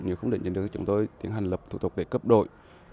nếu không đền chính thì chúng tôi tiến hành lập thủ tục để cấp đội